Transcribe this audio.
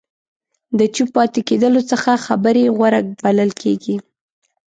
د چوپ پاتې کېدلو څخه خبرې غوره بلل کېږي.